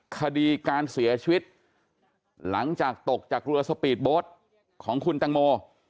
คดีการเสียชีวิตหลังจากตกจากเรือสปีดโบ๊ทของคุณตังโม